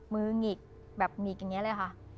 หงิกแบบหงิกอย่างนี้เลยค่ะ